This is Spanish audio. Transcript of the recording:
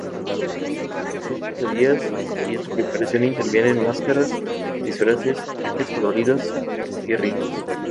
Dura ocho días y en su preparación intervienen máscaras, disfraces, trajes coloridos y ritos.